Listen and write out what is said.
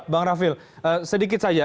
bang raffil sedikit saja